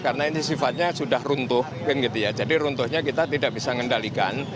pengendaliannya sudah runtuh jadi runtuhnya kita tidak bisa mengendalikan